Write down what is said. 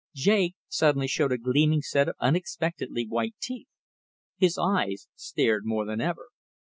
Jake suddenly showed a gleaming set of unexpectedly white teeth. His eyes stared more than ever.